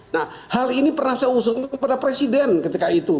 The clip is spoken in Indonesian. nah hal ini pernah saya usulkan kepada presiden ketika itu